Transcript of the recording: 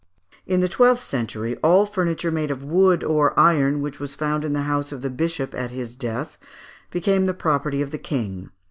In the twelfth century, all furniture made of wood or iron which was found in the house of the Bishop at his death, became the property of the King.